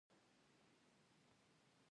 غزني د افغانستان د ځمکې د جوړښت نښه ده.